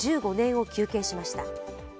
１５年を求刑しました。